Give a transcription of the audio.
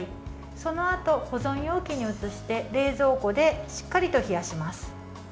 そのあと、保存容器に移して冷蔵庫でしっかりと冷やします。